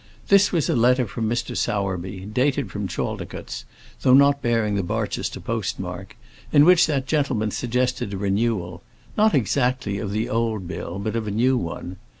This was a letter from Mr. Sowerby, dated from Chaldicotes, though not bearing the Barchester post mark, in which that gentleman suggested a renewal not exactly of the old bill, but of a new one.